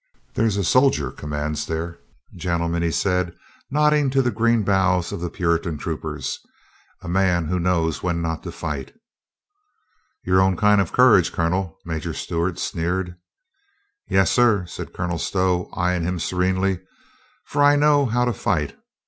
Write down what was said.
"There's a soldier commands there, gentlemen," he said, nod NEVv^BURY VALE 175 ding to the green boughs of the Puritan troopers. "A man who knows when not to fight." "Your own kind of courage, Colonel," Major Stewart sneered. "Yes, sir," said Colonel Stow, eying him serene ly, "for I know how to fight.